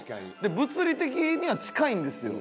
物理的には近いんですよ。